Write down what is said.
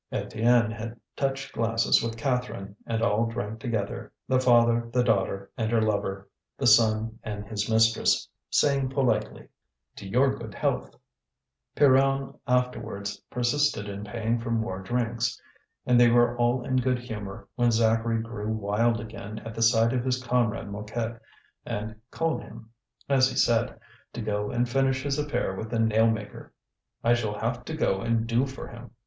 Étienne had touched glasses with Catherine, and all drank together the father, the daughter and her lover, the son and his mistress saying politely: "To your good health!" Pierron afterwards persisted in paying for more drinks. And they were all in good humour, when Zacharie grew wild again at the sight of his comrade Mouquet, and called him, as he said, to go and finish his affair with the nail maker. "I shall have to go and do for him!